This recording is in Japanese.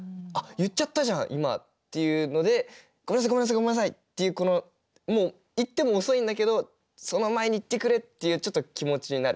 言っちゃったじゃん今」っていうので「ごめんなさいごめんなさいごめんなさい」っていうこのもう言っても遅いんだけどその前にいってくれっていうちょっと気持ちになる。